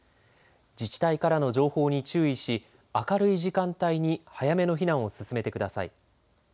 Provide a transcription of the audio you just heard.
自治体からの情報に注意し明るい時間帯に早めの避難を進めてください。